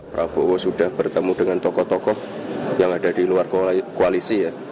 prabowo sudah bertemu dengan tokoh tokoh yang ada di luar koalisi ya